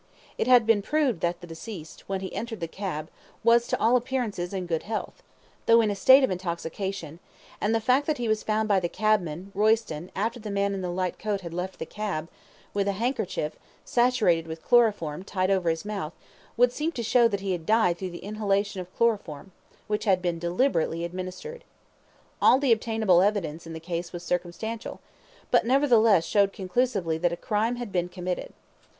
It had been proved that the deceased, when he entered the cab, was, to all appearances, in good health, though in a state of intoxication, and the fact that he was found by the cabman, Royston, after the man in the light coat had left the cab, with a handkerchief, saturated with chloroform, tied over his mouth, would seem to show that he had died through the inhalation of chloroform, which had been deliberately administered. All the obtainable evidence in the case was circumstantial, but, nevertheless, showed conclusively that a crime had been committed.